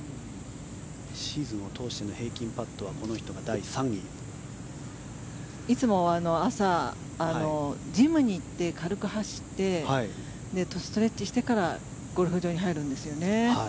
シーズンを通しての平均パットはいつもは朝ジムに行って軽く走って、ストレッチしてからゴルフ場に入るんですよね。